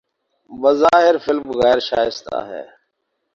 بظاہر فلم غیر شائستہ ہے